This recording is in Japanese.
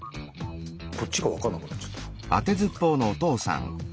こっちが分かんなくなっちゃった。